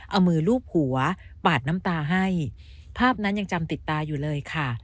เอามือลูบหัวปาดน้ำตาให้ภาพนั้นยังจำติดตาอยู่เลยค่ะ